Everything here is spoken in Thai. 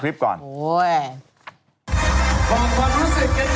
ขอบความรู้สึกกันใหนคะหลอกคุณรู้สึกอย่างไรบ้างเกี่ยวกับวันนี้